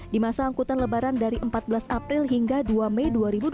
di masa angkutan lebaran dari empat belas april hingga dua mei dua ribu dua puluh